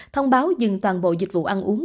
thông báo dừng toàn bộ dịch vụ ăn uống